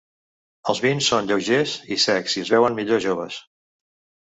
Els vins són lleugers i secs i es beuen millor joves.